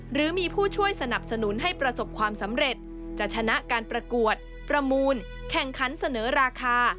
หรือมีผู้ช่วยสนับสนุนให้ประสบความสำเร็จจะชนะการประกวดประมูลแข่งขันเสนอราคา